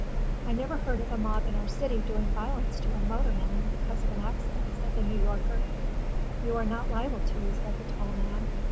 "I never heard of a mob in our city doing violence to a motorman because of an accident," said the New Yorker. "You are not liable to," said the tall man.